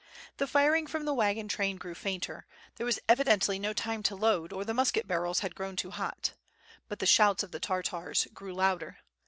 The firing from the wagon train grew fainter, there was evidently no time to load, or the musket barrels had grown too hot. But the shouts of the Tartars grew louder.